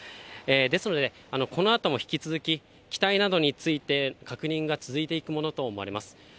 ですので、このあとも引き続き、機体などについて確認が続いていくものと思われます。